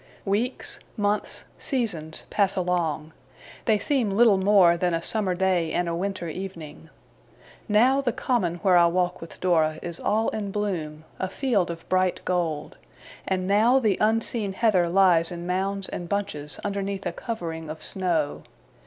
Weeks, months, seasons, pass along. They seem little more than a summer day and a winter evening. Now, the Common where I walk with Dora is all in bloom, a field of bright gold; and now the unseen heather lies in mounds and bunches underneath a covering of snow.